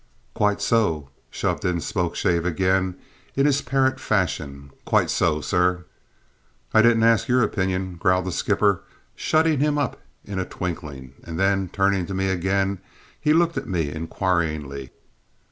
"Quite so," shoved in Spokeshave again in his parrot fashion; "quite so, sir." "I didn't ask your opinion," growled the skipper, shutting him up in a twinkling; and then, turning to me again, he looked at me inquiringly.